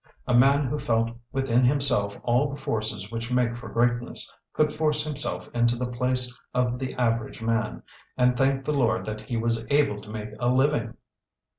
A man who felt within himself all the forces which make for greatness could force himself into the place of the average man, and thank the Lord that he was able to make a living!